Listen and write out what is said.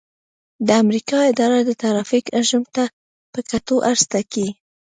د امریکا اداره د ترافیک حجم ته په کتو عرض ټاکي